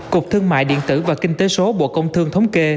cục thương mại điện tử và kinh tế số bộ công thương thống kê